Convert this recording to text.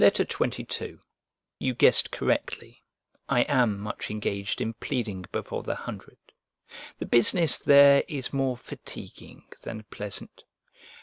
XXII To MAIMUS You guessed correctly: I am much engaged in pleading before the Hundred. The business there is more fatiguing than pleasant.